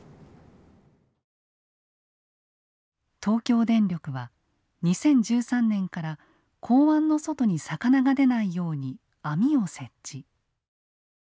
東京電力は２０１３年から港湾の外に魚が出ないように網を設置。